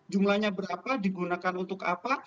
jumlahnya berapa digunakan untuk apa